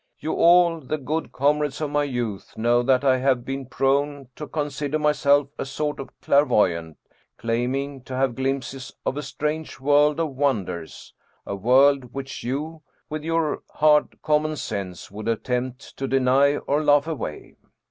You all, the good comrades of my youth, know that I have been prone to consider myself a sort of clairvoyant, claiming to have glimpses of a strange world of wonders, a world which you, with your hard common sense, would attempt to deny or laugh away.